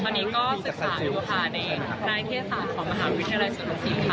ตอนนี้ก็ศึกษาอยู่ผ่านในนานเครียดศาสตร์ของมหาวิทยาลัยศูนย์ศิลป์ค่ะ